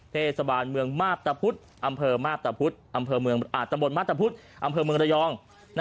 เทศบาลเมืองมาตรพุธอำเภอมาตรพุธอำเภอเมืองรายอง